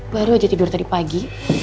baru aja tidur tadi pagi